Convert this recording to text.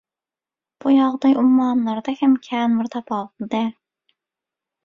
Bu ýagdaý ummanlarda hem kän bir tapawutly däl.